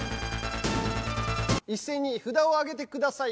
一斉に札を上げてください。